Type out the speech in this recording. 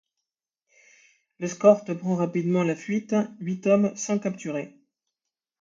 L'escorte prend rapidement la fuite, huit hommes sont capturés.